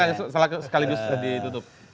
kita gak salah sekali justru ditutup